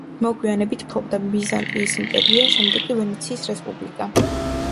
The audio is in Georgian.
მოგვიანებით ფლობდა ბიზანტიის იმპერია, შემდეგ კი ვენეციის რესპუბლიკა.